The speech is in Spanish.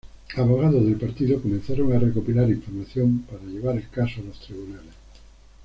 Abogados del partido comenzaron a recopilar información para llevar el caso a los tribunales.